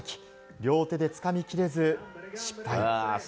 両手でつかみきれず失敗。